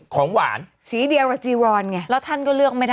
ควรสีเดียวละจีนวอนไงแล้วท่านก็เลือกไม่ได้